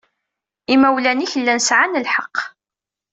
Imawlan-ik llan sɛan lḥeqq.